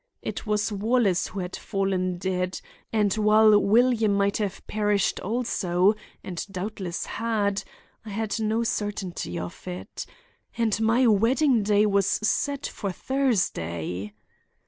It was Wallace who had fallen dead, and while William might have perished also, and doubtless had, I had no certainty of it. And my wedding day was set for Thursday.